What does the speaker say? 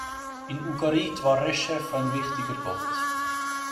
In Ugarit war Reschef ein wichtiger Gott.